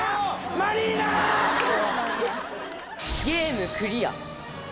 ゲームクリア